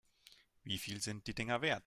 Wie viel sind die Dinger wert?